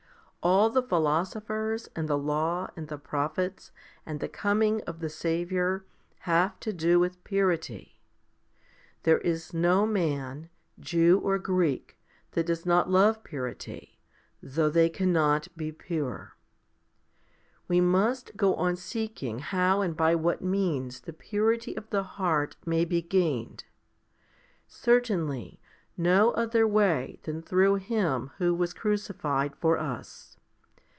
All the philosophers, and the law, and the prophets, and the coming of the Saviour, have to do with purity. There is no man, Jew or Greek, that does not love purity, though they cannot be pure. We must go on seeking how and by what means the purity of the heart may be gained. Certainly no other way than through Him who was crucified for us.